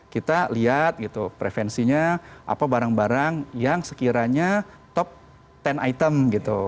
kita lihat gitu prevensinya apa barang barang yang sekiranya top sepuluh item gitu